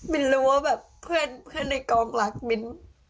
รู้ว่าแบบเพื่อนในกองรักมิ้น